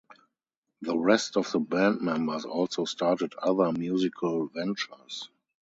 The rest of the band members also started other musical ventures.